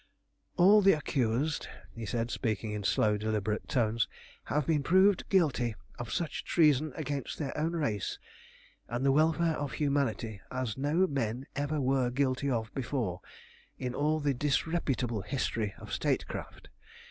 "All the accused," he said, speaking in slow, deliberate tones, "have been proved guilty of such treason against their own race and the welfare of humanity as no men ever were guilty of before in all the disreputable history of state craft.